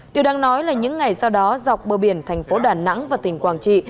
điều đang nói là những ngày sau đó dọc bờ biển thành phố đà nẵng và tỉnh quảng trị